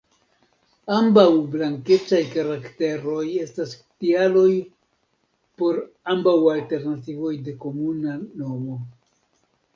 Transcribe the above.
Ambaŭ blankecaj karakteroj estas tialoj por ambaŭ alternativoj de komuna nomo.